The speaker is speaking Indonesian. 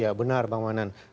ya benar bang manan